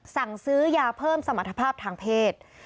สั่งซื้อยาเพิ่มสมรรถภาพทางเพศ